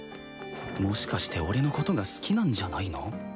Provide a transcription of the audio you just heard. もしかして俺のことが好きなんじゃないの？